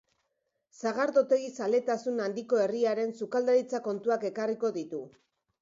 Sagardotegi zaletasun handiko herriaren sukaldaritza kontuak ekarriko ditu.